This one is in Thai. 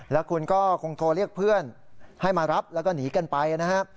แล้วคุณก็คงโทรเรียกเพื่อนให้มารับแล้วก็หนีกันไปนะฮะ